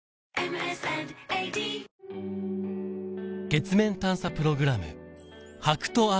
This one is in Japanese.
月面探査プログラム